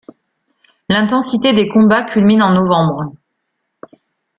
L'intensité des combats culmine en novembre.